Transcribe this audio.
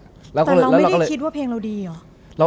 แต่เราไม่ได้คิดว่าเพลงเราดีเหรอ